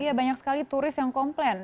iya banyak sekali turis yang komplain